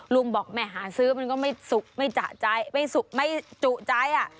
ลุงบอกแม่หาซื้อมันก็ไม่สุกไม่จะใจไม่สุกไม่จุใจ